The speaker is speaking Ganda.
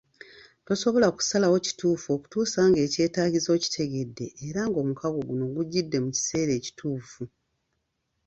Tosobola kusalawo kituufu okutuusa ng'ekyetaagisa okitegedde era omukago guno gujjidde mu kiseera ekituufu.